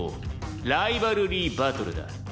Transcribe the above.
ライバルリー・バトルだ」